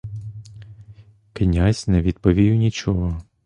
Князь не відповів нічого.